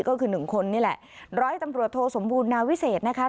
ก็คือหนึ่งคนนี่แหละร้อยตำรวจโทสมบูรณาวิเศษนะคะ